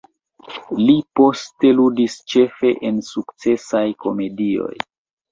Li poste ludis ĉefe en sukcesaj komedioj.